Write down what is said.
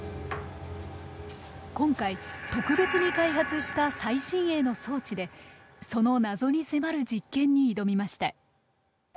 今回特別に開発した最新鋭の装置でその謎に迫る実験に挑みました。